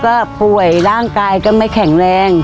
ก็ป่วยร่างกายก็ไม่แข็งแรง